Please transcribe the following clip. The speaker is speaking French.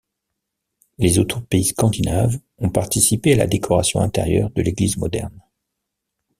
Les autres pays scandinaves ont participé à la décoration intérieure de l'église moderne.